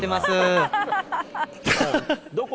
どこ？